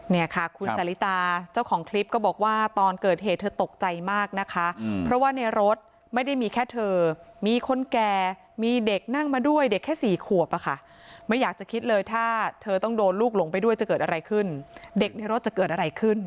เนี่ยค่ะคุณสาลิตาเจ้าของคลิปก็บอกว่าตอนเกิดเหตุเธอตกใจมากนะคะเพราะว่าในรถไม่ได้มีแค่เธอมีคนแก่มีเด็กนั่งมาด้วยเด็กแค่สี่ขวบอะค่ะไม่อยากจะคิดเลยถ้าเธอต้องโดนลูกหลงไปด้วยจะเกิดอะไรขึ้นเด็กในรถจะเกิดอะไรขึ้น